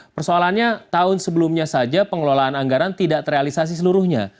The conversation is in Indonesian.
persoalannya tahun sebelumnya saja pengelolaan anggaran tidak terrealisasi seluruhnya